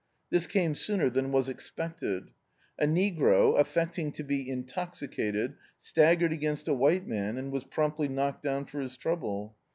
This came sooner than was expected. A negro> affecting to be intoxicated, stag gered against a white man, and was pnnnptly knocked down for his trouble.